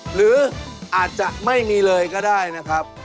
หรืออาจจะไม่มีเลยก็ได้นะครับ